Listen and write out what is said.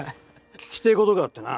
聞きてえことがあってな。